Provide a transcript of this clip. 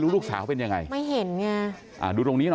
ตรงนี้อยู่ไหน